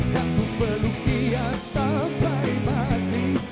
dan ku peluk dia tanpa imajin